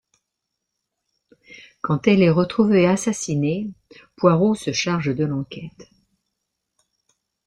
Quand elle est retrouvée assassinée, Poirot se charge de l'enquête...